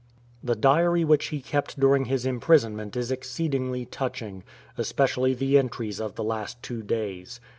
The diary which he kept during his imprisonment is exceedingly touching, especially the entries of the last two days.